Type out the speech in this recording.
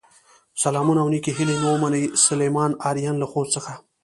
سلامونه او نیکې هیلې مې ومنئ، سليمان آرین له خوست څخه